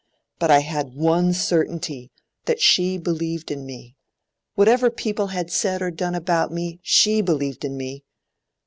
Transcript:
But I had one certainty—that she believed in me. Whatever people had said or done about me, she believed in me.